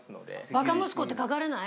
「バカ息子」って書かれない？